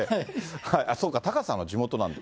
そうか、タカさんは地元なんだ。